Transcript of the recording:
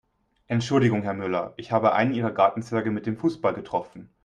Entschuldigung Herr Müller, ich habe einen Ihrer Gartenzwerge mit dem Fußball getroffen.